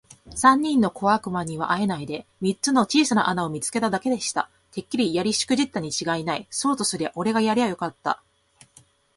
三人の小悪魔にはあえないで、三つの小さな穴を見つけただけでした。「てっきりやりしくじったにちがいない。そうとすりゃおれがやりゃよかった。」